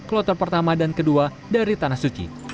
kloter pertama dan kedua dari tanah suci